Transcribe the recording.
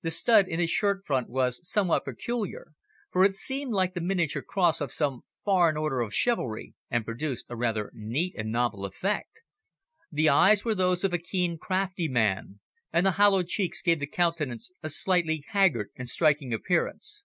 The stud in his shirt front was somewhat peculiar, for it seemed like the miniature cross of some foreign order of chivalry, and produced a rather neat and novel effect. The eyes were those of a keen, crafty man, and the hollow cheeks gave the countenance a slightly haggard and striking appearance.